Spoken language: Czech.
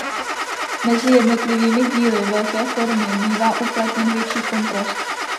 Mezi jednotlivými díly velké formy bývá uplatněn větší kontrast.